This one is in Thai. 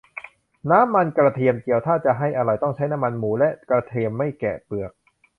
น้ำมันกระเทียมเจียว ถ้าจะให้อร่อยต้องใช้น้ำมันหมู และกระเทียมไม่แกะเปลือก